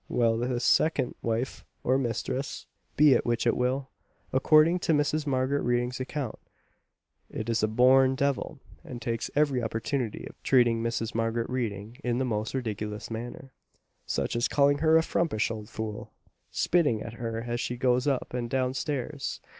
Well, this second wife, or mistress, be it which it will, according to Mrs. Margaret Reading's account, is "a born devil;" and takes every opportunity of treating Mrs. Margaret Reading in the most ridiculous manner such as calling her a frumpish old fool, spitting at her as she goes up and downstairs, &c.